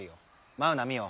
マウナミオ